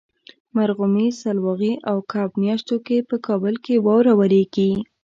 مرغومي ، سلواغې او کب میاشتو کې په کابل کې واوره وریږي.